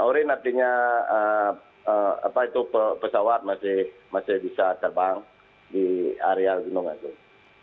soren artinya pesawat masih bisa terbang di area gunung agung